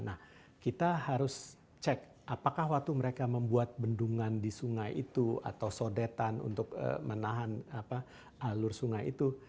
nah kita harus cek apakah waktu mereka membuat bendungan di sungai itu atau sodetan untuk menahan alur sungai itu